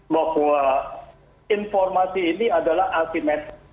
bahwa informasi ini adalah asimetris